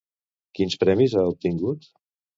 Quins premis ha obtingut?